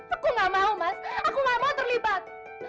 aku gak mau mas aku gak mau terlibat